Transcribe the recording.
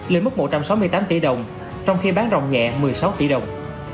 lên mức một trăm sáu mươi tám tỷ đồng trong khi bán rồng nhẹ một mươi sáu tỷ đồng